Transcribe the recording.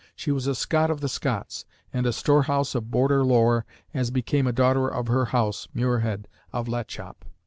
She was a Scot of the Scots and a storehouse of border lore, as became a daughter of her house, Muirhead of Lachop.